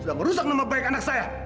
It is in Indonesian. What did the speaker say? sudah merusak nama baik anak saya